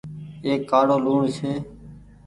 ايڪ ڪآڙو لوڻ ڇي۔